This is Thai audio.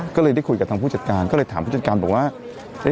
ก็เลยได้คุยกับทางผู้จัดการก็เลยถามผู้จัดการบอกว่า